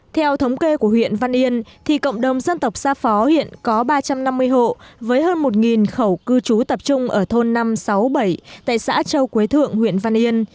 theo thống kê của huyện văn yên thì cộng đồng dân tộc xa phó hiện có ba trăm năm mươi hộ với hơn một khẩu cư trú tập trung ở thôn năm sáu bảy tại xã châu quế thượng huyện văn yên